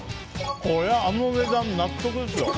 これはあの値段、納得ですよ。